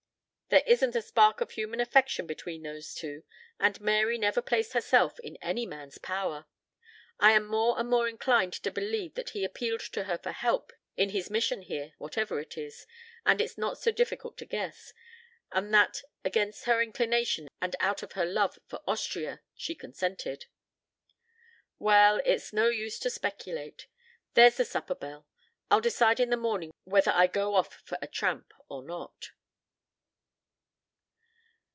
There isn't a spark of human affection between those two, and Mary never placed herself in any man's power. I am more and more inclined to believe that he appealed to her for help in his mission here, whatever it is and it's not so difficult to guess and that against her inclination and out of her love for Austria, she consented." "Well, it's no use to speculate. There's the supper bell. I'll decide in the morning whether I go off for a tramp or not."